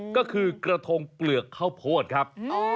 ก็คือกระทงเปลือกข้าวโพดครับ